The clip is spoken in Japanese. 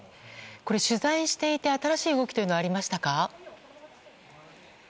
取材していて新しい動きはありましたか？